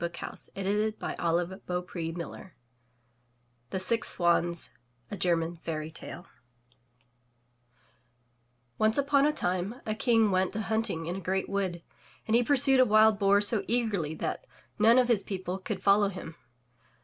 362 THROUGH FAIRY HALLS ^s^^^m^^^^^^^^^T^ THE SIX SWANS A German Fairy Tale Once upon a time a King went a hunting in a great wood, and he pursued a wild boar so eagerly that none of his people could follow him.